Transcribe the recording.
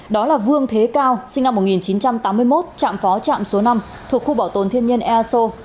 đó là vương thế cao sinh năm một nghìn chín trăm tám mươi một trạm phó trạm số năm thuộc khu bảo tồn thiên nhiên ea sô